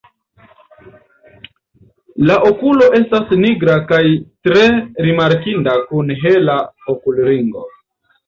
La okulo estas nigra kaj tre rimarkinda kun hela okulringo.